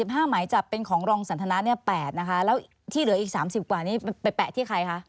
๕หมายจับเป็นของรองสันทนาเนี่ย๘นะคะแล้วที่เหลืออีก๓๐กว่านี้ไปแปะที่ใครคะ